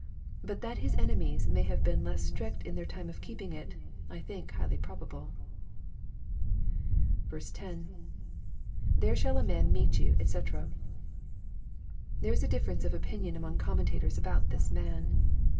But that His enemies may have been less strict in their time of keeping it, I think highly probable. 20. — [There shaUaman meei you, dx.] There is difference of opin ion among commentators about this man.